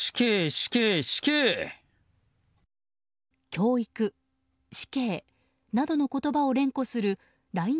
「教育、死刑」などの言葉を連呼するＬＩＮＥ